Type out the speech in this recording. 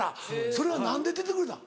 それは何で出てくれたん？